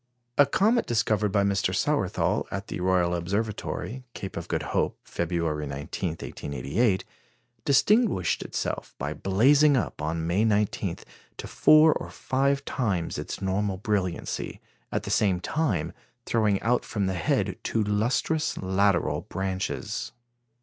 A comet discovered by Mr. Sawerthal at the Royal Observatory, Cape of Good Hope, February 19, 1888, distinguished itself by blazing up, on May 19, to four or five times its normal brilliancy, at the same time throwing out from the head two lustrous lateral branches.